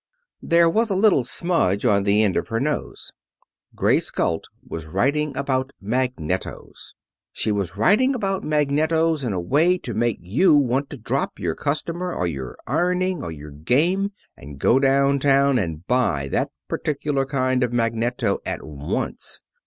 There was a little smudge on the end of her nose. Grace Galt was writing about magnetos. She was writing about magnetos in a way to make you want to drop your customer, or your ironing, or your game, and go downtown and buy that particular kind of magneto at once.